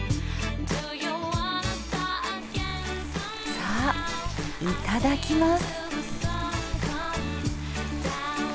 さあいただきます。